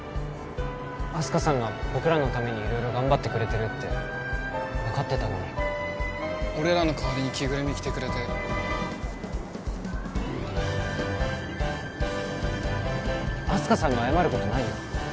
あす花さんが僕らのために色々頑張ってくれてるって分かってたのに俺らの代わりに着ぐるみ着てくれてあす花さんが謝ることないよ